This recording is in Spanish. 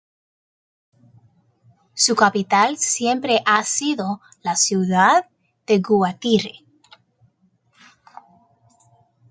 Su capital siempre ha sido la ciudad de Guatire.